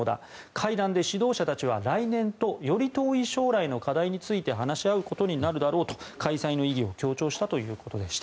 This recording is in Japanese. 会談で指導者たちは来年とより遠い将来の課題について話し合うことになるだろうと開催の意義を強調したということでした。